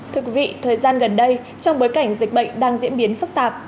thưa quý vị thời gian gần đây trong bối cảnh dịch bệnh đang diễn biến phức tạp